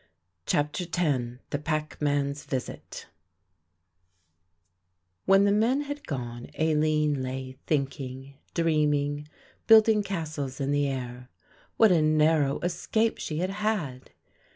CHAPTER X THE PACKMAN'S VISIT When the men had gone Aline lay thinking, dreaming, building castles in the air. What a narrow escape she had had!